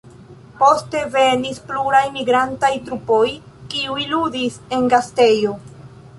Poste venis pluraj migrantaj trupoj, kiuj ludis en gastejo.